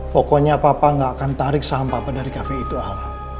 pokoknya papa nggak akan tarik saham papa dari kafe itu apa